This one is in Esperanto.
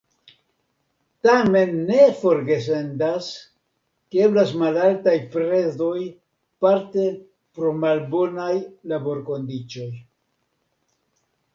Tamen ne forgesendas, ke eblas malaltaj prezoj parte pro malbonaj laborkondiĉoj.